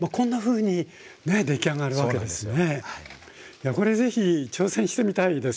いやこれ是非挑戦してみたいですよね？